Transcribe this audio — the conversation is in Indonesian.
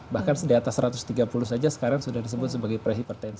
bahkan di atas satu ratus tiga puluh saja sekarang sudah disebut sebagai pre hipertensi